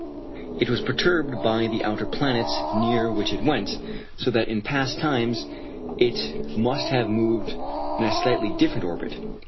It was perturbed by the outer planets near which it went, so that in past times it must have moved in a slightly different orbit.